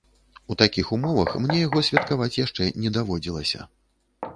У такіх умовах мне яго святкаваць яшчэ не даводзілася.